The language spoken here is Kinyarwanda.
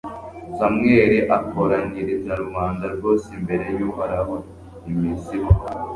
samweli akoranyiriza rubanda rwose imbere y'uhoraho i misipa